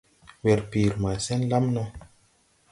Werpiiri maa sen lam no.